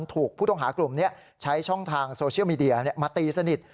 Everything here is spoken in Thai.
ถูกผู้ต้องหากลุ่มนี้ใช้ช่องทางโซเชียลมีเดียมาตีสนิท